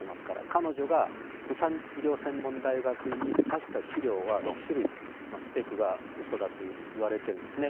彼女がプサン医療専門大学院に出した資料は６種類、スペックがうそだと言われてるんですね。